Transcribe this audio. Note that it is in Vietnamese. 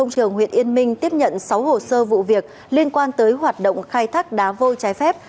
công trường huyện yên minh tiếp nhận sáu hồ sơ vụ việc liên quan tới hoạt động khai thác đá vôi trái phép